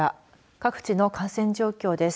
各地の感染状況です。